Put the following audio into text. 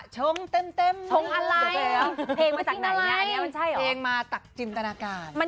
ชงจ้าจ๊ะ